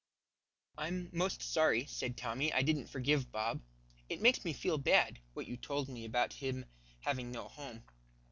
"I'm most sorry," said Tommy, "I didn't forgive Bob. It makes me feel bad, what you told me about his having no home.